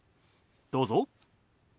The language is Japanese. どうぞ。